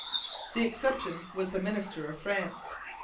The exception was the minister of France.